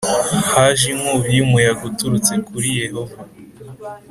haje inkubi y umuyaga uturutse kuri Yehova